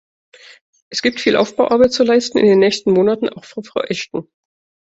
Es gibt viel Aufbauarbeit zu leisten in den nächsten Monaten, auch für Frau Ashton.